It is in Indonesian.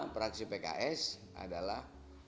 praksi pks adalah